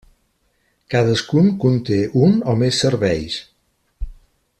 Cadascun conté un o més serveis.